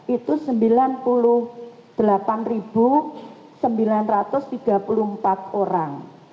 itu sembilan puluh delapan sembilan ratus tiga puluh empat orang